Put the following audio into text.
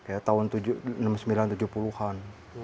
ya tahun enam puluh sembilan tujuh puluh an